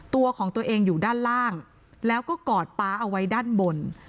ตัวของตัวเองอยู่ด้านล่างแล้วก็กอดป๊าเอาไว้ด้านบน